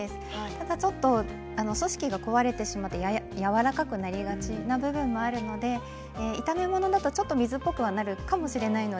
ただ組織が壊れてしまってやわらかくなりがちな部分がありますので炒め物だとちょっと水っぽくはなるかもしれません。